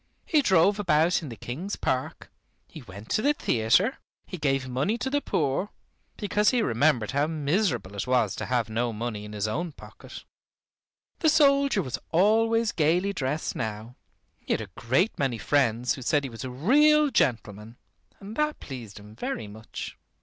He drove about in the King's Park; he went to the theater; he gave money to the poor, because he remembered how miserable it was to have no money in his own pocket. The soldier was always gaily dressed now. He had a great many friends who said he was a real gentleman, and that pleased him very much.